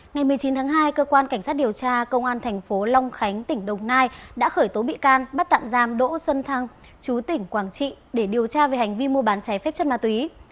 ngày một mươi chín tháng hai cơ quan cảnh sát điều tra công an thành phố long khánh tỉnh đồng nai đã khởi tố bị can bắt tạm giam đỗ xuân thăng chú tỉnh quảng trị để điều tra về hành vi mua bán trái phép chất ma túy